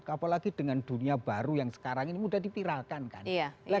apalagi dengan dunia baru yang sekarang ini mudah dipiralkan kan